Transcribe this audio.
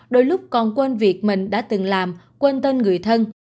đôi lúc còn quên việc mình đã từng làm quên tên người thân